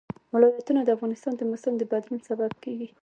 ولایتونه د افغانستان د موسم د بدلون سبب کېږي.